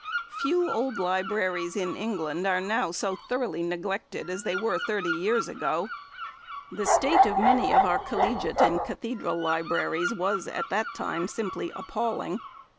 Few old libraries in England are now so thoroughly neglected as they were thirty years ago. The state of many of our Collegiate and Cathedral libraries was at that time simply appalling.